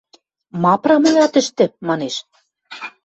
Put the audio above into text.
– Ма прамой ат ӹштӹ? – манеш.